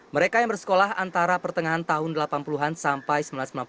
mereka yang bersekolah antara pertengahan tahun delapan puluh an sampai seribu sembilan ratus sembilan puluh